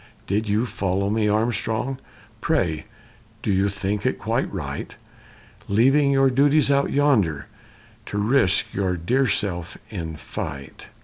did you follow me, Armstrong? Pray, do you think it quite right, Leaving your duties out yonder, to risk your dear self in the fight?"